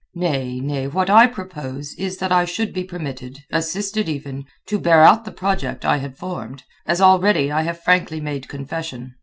Nay, nay, what I propose is that I should be permitted—assisted even—to bear out the project I had formed, as already I have frankly made confession.